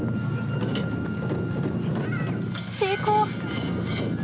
成功！